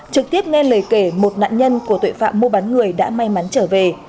trực tiếp nghe lời kể một nạn nhân của tội phạm mua bán người đã may mắn trở về